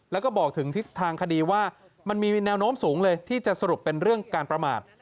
แล้วก็บอกถึงทิศทางคดีว่ามันมีแนวโน้มสูงเลยที่จะสรุปเป็นเรื่องการประมาท